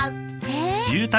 え？